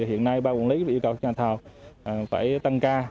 hiện nay ba quân lý yêu cầu các nhà thò phải tăng ca